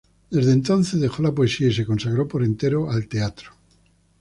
Desde entonces dejó la poesía y se consagró por entero al teatro.